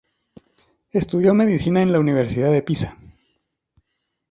Estudió medicina en la Universidad de Pisa.